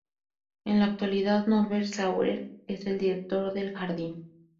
En la actualidad, Norbert Sauer es el director del jardín.